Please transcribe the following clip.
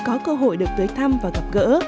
có cơ hội được tới thăm và gặp gỡ